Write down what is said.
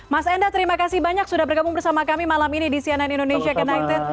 mas enda terima kasih banyak sudah bergabung bersama kami malam ini di cnn indonesia connected